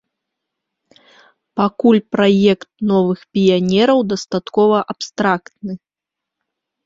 Пакуль праект новых піянераў дастаткова абстрактны.